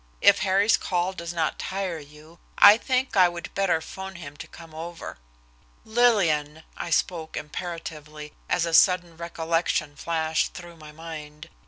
If Harry's call does not tire you, I think I would better 'phone him to come over." "Lillian!" I spoke imperatively, as a sudden recollection flashed through my mind.